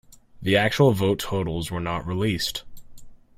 The actual vote totals were not released.